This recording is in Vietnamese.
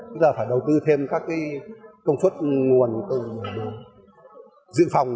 chúng ta phải đầu tư thêm các cái công suất nguồn dự phòng